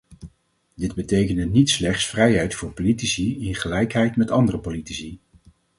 Dit betekende niet slechts vrijheid voor politici in gelijkheid met andere politici.